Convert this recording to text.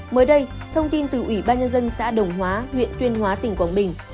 mới đây thông tin từ ủy ban nhân dân xã đồng hóa huyện tuyên hóa tỉnh quảng bình